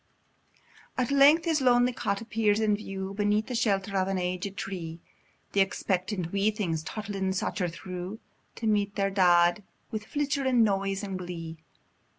At length his lonely cot appears in view, Beneath the shelter of an aged tree; Th' expectant wee things, toddlin, stacher through To meet their dead, wi' flichterin noise and glee.